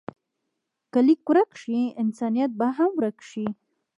که لیک ورک شي، انسانیت به هم ورک شي.